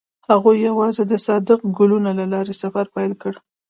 هغوی یوځای د صادق ګلونه له لارې سفر پیل کړ.